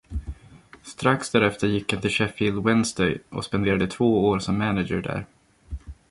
Strax därefter gick han till Sheffield Wednesday och spenderade två år som manager där.